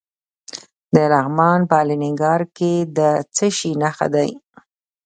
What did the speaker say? د لغمان په الینګار کې د څه شي نښې دي؟